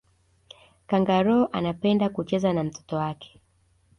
kangaroo anapenda kucheza na mtoto wake